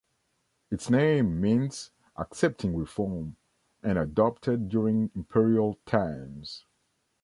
Its name means "Accepting Reform" and adopted during imperial times.